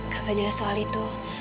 kak fadil soal itu